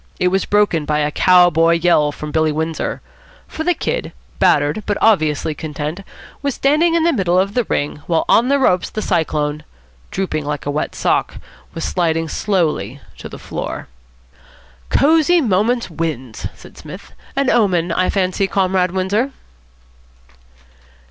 It was broken by a cow boy yell from Billy Windsor. For the Kid, battered, but obviously content, was standing in the middle of the ring, while on the ropes the Cyclone, drooping like a wet sock, was sliding slowly to the floor. "Cosy Moments wins," said Psmith. "An omen, I fancy, Comrade Windsor."